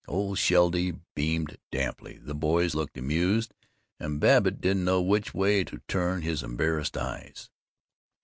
Old Sheldy beamed damply; the boys looked ashamed; and Babbitt didn't know which way to turn his embarrassed eyes.